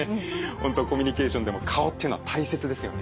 本当コミュニケーションでも顔っていうのは大切ですよね。